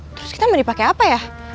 terus kita mandi pake apa ya